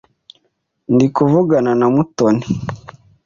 Ndi kuvugana na Mutoni.